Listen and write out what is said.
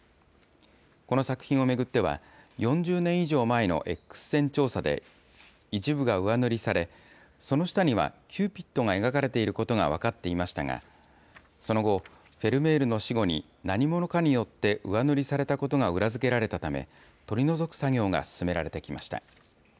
この作品を巡っては、４０年以上前のエックス線調査で、一部が上塗りされ、その下にはキューピッドが描かれていることが分かっていましたが、その後、フェルメールの死後に何者かによって上塗りされたことが裏付けられたため、取り除く作業が進められてきました。